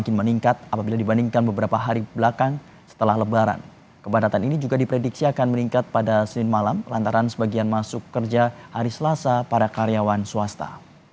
kondisi ini membuat kepolisian juga melakukan pengambatan atau delay system di sejumlah rest area